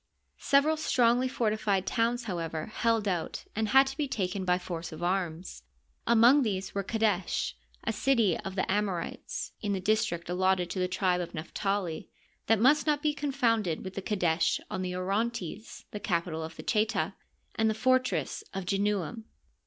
Several strongly fortified towns, however, held out and had to be taken by force of arms. Among these were Qadesh, a city of the Amorites (in the district allotted to the tribe of Naphtali), that must not be confounded with Qadesh on the Orontes, the capital of the Cheta, and the fortress of /enuam.